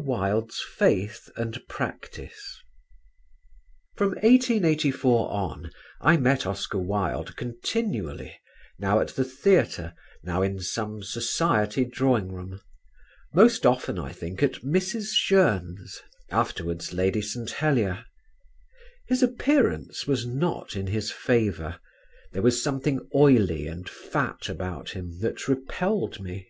Appendix: "Criticisms by Robert Ross." CHAPTER VI From 1884 on I met Oscar Wilde continually, now at the theatre, now in some society drawing room; most often, I think, at Mrs. Jeune's (afterwards Lady St. Helier). His appearance was not in his favour; there was something oily and fat about him that repelled me.